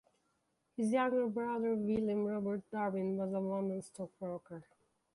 His younger brother William Robert Darwin was a London stockbroker.